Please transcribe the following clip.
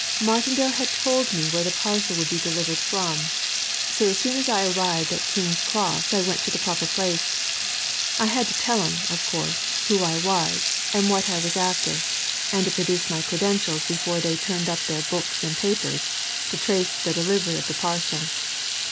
Martindale had told me where the parcel would be delivered from, so as soon as I arrived at King's Cross I went to the proper place. I had to tell 'em, of course, who I was, and what I was after, and to produce my credentials before they turned up their books and papers to trace the delivery of the parcel.